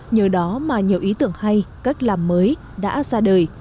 nhờ đó mà nhiều ý tưởng hay cách làm mới đã ra đời